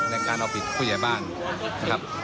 ในการเอาผิดผู้ใหญ่บ้านนะครับ